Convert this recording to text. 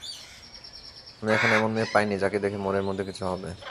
আমি এখনো এমন মেয়ে পাইনি যাকে দেখে মনের মধ্যে কিছু হবে।